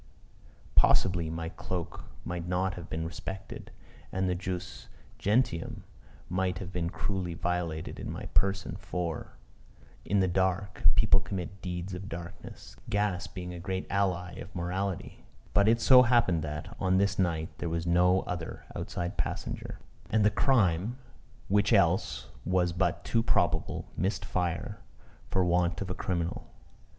Possibly my cloak might not have been respected, and the jus gentium might have been cruelly violated in my person for, in the dark, people commit deeds of darkness, gas being a great ally of morality but it so happened that, on this night, there was no other outside passenger; and the crime, which else was but too probable, missed fire for want of a criminal.